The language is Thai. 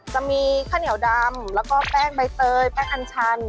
จะมีข้าวเหนียวดำแล้วก็แป้งใบเตยแป้งอันชัน